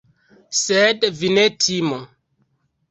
Sed vi ne timu!